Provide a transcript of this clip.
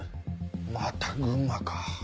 また群馬か。